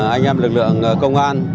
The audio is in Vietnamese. anh em lực lượng công an